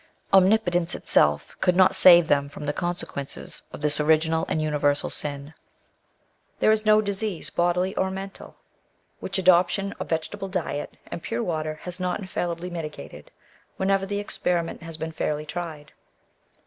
Omnipotence itself could not save them from the consequences of this original and universal sin. There is no disej se, bodily or mental, which adoption of vegetable diet and pure water has not infallibly mitigated, wherever the experiment has been fairly tried.